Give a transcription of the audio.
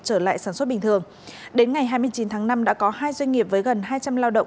trở lại sản xuất bình thường đến ngày hai mươi chín tháng năm đã có hai doanh nghiệp với gần hai trăm linh lao động